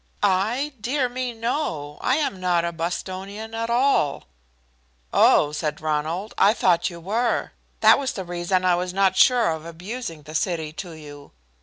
"I? Dear me no! I am not a Bostonian at all." "Oh," said Ronald, "I thought you were. That was the reason I was not sure of abusing the city to you.